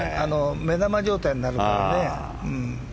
目玉状態になるからね。